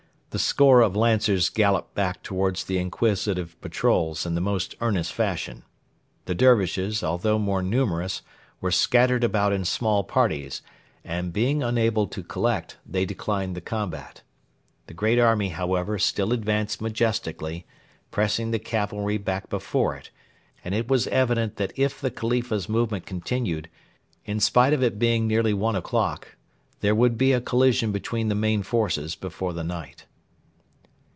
The score of Lancers galloped back towards the inquisitive patrols in the most earnest fashion. The Dervishes, although more numerous, were scattered about in small parties, and, being unable to collect, they declined the combat. The great army, however, still advanced majestically, pressing the cavalry back before it; and it was evident that if the Khalifa's movement continued, in spite of it being nearly one o'clock, there would be a collision between the main forces before the night.